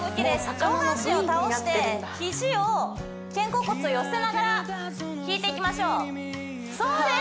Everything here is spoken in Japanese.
上半身を倒して肘を肩甲骨を寄せながら引いていきましょうそうです